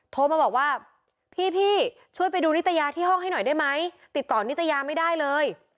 โทรมาบอกว่าพี่ช่วยไปดูนิตยาที่ห้องให้หน่อยได้ไหมติดต่อนิตยาไม่ได้เลย